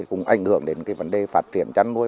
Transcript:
cũng ảnh hưởng đến cái vấn đề phát triển chăn nuôi